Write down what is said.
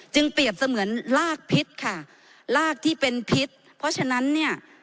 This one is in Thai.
เปรียบเสมือนลากพิษค่ะลากที่เป็นพิษเพราะฉะนั้นเนี่ย